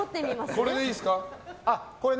これでいいですか。